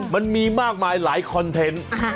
มันมีมากมายหลายคอนเทนต์